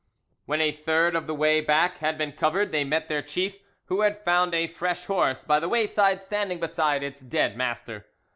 When a third of the way, back had been covered, they met their chief, who had found a fresh horse by the wayside standing beside its dead master.